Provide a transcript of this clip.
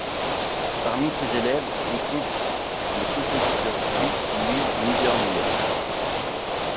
Parmi ses élèves on compte le compositeur suisse Louis Niedermeyer.